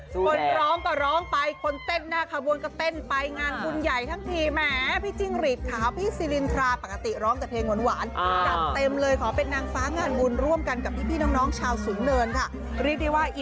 คนร้องก็ร้องไปคนเต้นหน้าขบวนก็เต้นไปงานบุญใหญ่ทั้งที